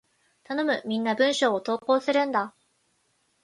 頼む！みんな文章を投稿するんだ！